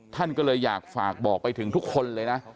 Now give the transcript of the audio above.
ท่านก็เลยอยากฝากบอกไปถึงทุกคนเลยนะ